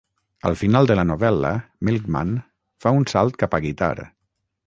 Al final de la novel·la, Milkman fa un salt cap a Guitar.